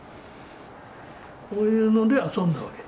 こういうので遊んだわけ。